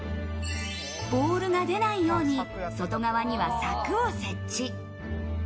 ボールが出ないように外側には柵を設置。